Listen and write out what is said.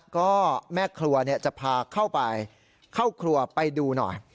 ก็แม่ครัวจะพาเข้าไปเข้าครัวไปดูหน่อย